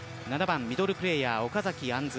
７番、ミドルプレーヤー岡崎杏。